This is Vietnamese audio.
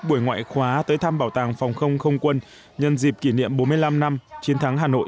buổi ngoại khóa tới thăm bảo tàng phòng không không quân nhân dịp kỷ niệm bốn mươi năm năm chiến thắng hà nội